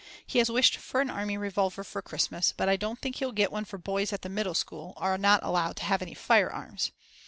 He has wished for an army revolver for Christmas, but I don't think he'll get one for boys at the middle school are not allowed to have any firearms.